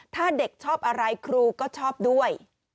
ถ้าเด็กชอบอะไรครูก็ชอบด้วย